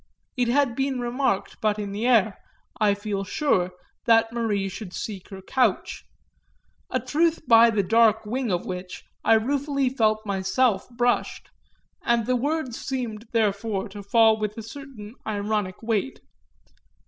It had been remarked but in the air, I feel sure, that Marie should seek her couch a truth by the dark wing of which I ruefully felt myself brushed; and the words seemed therefore to fall with a certain ironic weight.